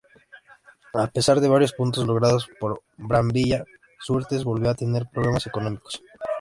A pesar de varios puntos logrados por Brambilla, Surtees volvió a tener problemas económicos.